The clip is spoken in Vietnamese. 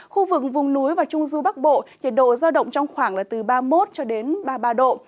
khu vực vùng núi và trung du bắc bộ nhiệt độ giao động trong khoảng là từ ba mươi một cho đến ba mươi ba độ